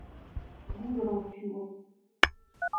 Gouzout a ran piv on.